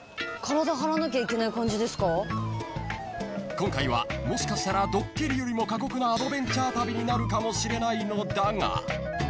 ［今回はもしかしたらドッキリよりも過酷なアドベンチャー旅になるかもしれないのだが］